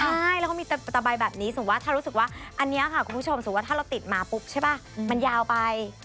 ใช่แล้วก็มีตะใบแบบนี้สมมุติถ้ารู้สึกว่าอันนี้ค่ะคุณผู้ชมสมมุติถ้าเราติดมาปุ๊บใช่ป่ะมันยาวไป